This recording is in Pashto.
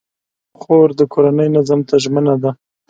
خور د کورنۍ نظم ته ژمنه ده.